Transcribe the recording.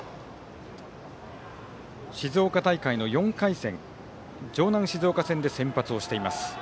静岡大会の４回戦城南静岡戦で先発をしています。